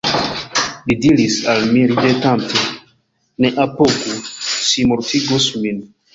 Li diris al mi ridetante: «Ne apogu, ci mortigus min».